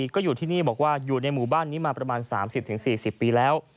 ก็อยู่ที่นี่บอกว่าอยู่ในหมู่บ้านนี้มาประมาณ๓๐๔๐ปีแล้ว